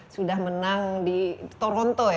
sudah menang di toronto ya